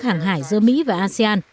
hàng hải giữa mỹ và asean